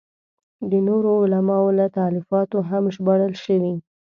د نورو علماوو له تالیفاتو هم ژباړل شوي.